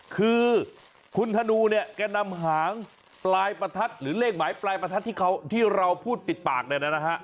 คือคุณธนูเนี่ยแกนำหางปลายประทัดหรือเลขหมายปลายประทัดที่เราพูดติดปากเนี่ยนะฮะ